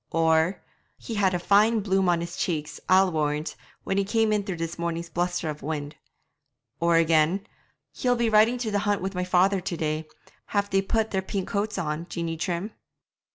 Or: 'He had a fine bloom on his cheeks, I'll warrant, when he came in through this morning's bluster of wind.' Or again: 'He'll be riding to the hunt with my father to day; have they put their pink coats on, Jeanie Trim?'